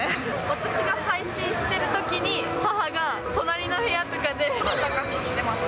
私が配信しているときに、母が隣の部屋とかでオタ活をしてます。